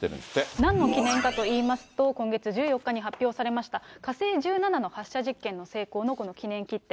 なんの記念かといいますと、今月１４日に発表されました、火星１７の発射実験の成功の記念切手。